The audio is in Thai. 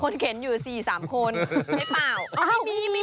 เข็นอยู่๔๓คนใช่เปล่า